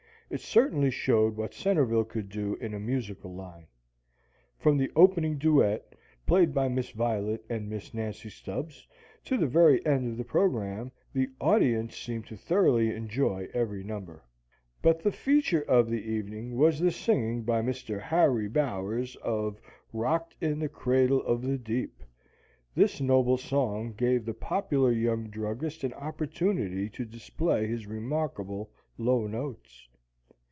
It certainly showed what Centerville could do in a musical line. From the opening duet, played by Miss Violet and Miss Nancy Stubbs, to the very end of the program, the audience seemed to thoroughly enjoy every number. But the feature of the evening was the singing by Mr. Harry Bowers of "Rocked in the Cradle of the Deep." This noble song gave the popular young druggist an opportunity to display his remarkable low notes.